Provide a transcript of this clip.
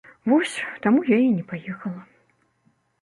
Вось, таму я і не паехала.